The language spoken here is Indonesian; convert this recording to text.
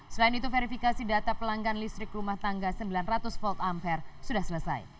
selain itu verifikasi data pelanggan listrik rumah tangga sembilan ratus volt ampere sudah selesai